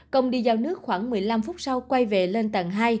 công đi giao nước khoảng một mươi năm phút sau quay về lên tầng hai